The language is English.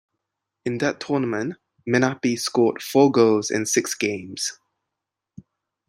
In that tournament, Menapi scored four goals in six games.